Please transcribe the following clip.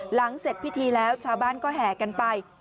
เสร็จพิธีแล้วชาวบ้านก็แห่กันไป